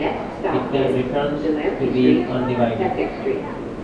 It then returns to being undivided.